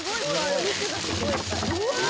お肉がすごいいっぱい。